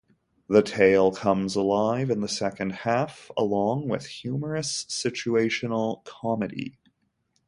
The tale comes alive in the second half along with humorous situational comedy.